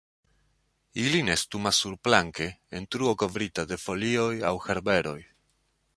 Ili nestumas surplanke, en truo kovrita de folioj aŭ herberoj.